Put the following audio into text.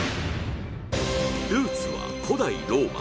ルーツは古代ローマ。